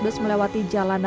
mas kena kop